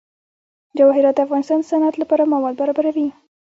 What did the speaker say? جواهرات د افغانستان د صنعت لپاره مواد برابروي.